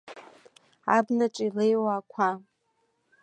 Абнаҿ илеиуа ақәа.